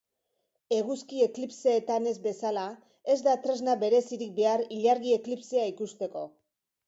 Eguzki eklipseetan ez bezala, ez da tresna berezirik behar ilargi eklipsea ikusteko.